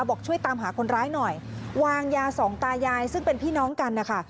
บอกช่วยตามหาคนร้ายหน่อยวางยาสองตายายซึ่งเป็นพี่น้องกันนะคะ